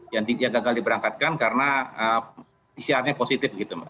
yang gagal diberangkatkan karena pcr positif